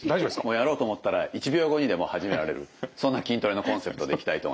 やろうと思ったら１秒後にでも始められるそんな筋トレのコンセプトでいきたいと思います。